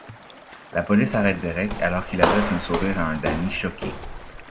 La police arrête Derek alors qu'il adresse un sourire à un Danny choqué.